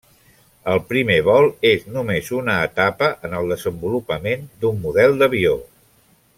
El primer vol és només una etapa en el desenvolupament d'un model d'avió.